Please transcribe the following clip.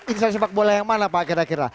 insan sepak bola yang mana pak akhir akhir